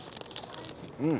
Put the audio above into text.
うん。